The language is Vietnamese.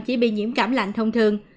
chỉ bị nhiễm cảm lạnh thông thường